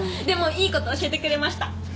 でもいいこと教えてくれました。